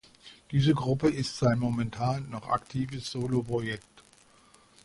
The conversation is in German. Diese Gruppe ist sein momentan noch aktives Soloprojekt.